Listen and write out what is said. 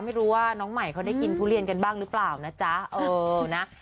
ไม่รู้ว่าน้องใหม่เขาได้กินทุเรียนกันบ้างหรือเปล่านะจ๊ะเออนะ